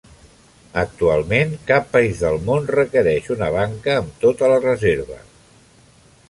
Actualment, cap país del món requereix una banca amb tota la reserva.